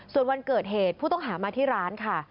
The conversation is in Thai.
ส่วนวันเกิดเหตุผู้ต้องหามาที่ร้านค่ะ